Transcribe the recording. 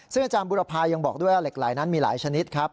ซึ่งอาจารย์บุรพายังบอกด้วยว่าเหล็กไหลนั้นมีหลายชนิดครับ